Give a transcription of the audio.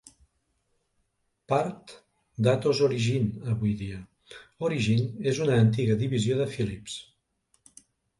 Part d'Atos Origin avui dia, Origin és una antiga divisió de Philips.